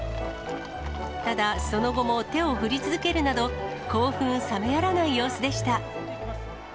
ただ、その後も手を振り続けるなど、興奮冷めやらない様子でした。